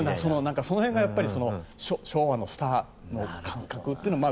その辺が昭和のスターの感覚という。